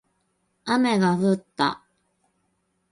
雨が降った